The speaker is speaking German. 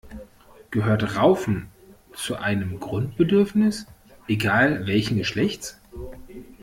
Gehört Raufen zu einem Grundbedürfnis? Egal welchen Geschlechts.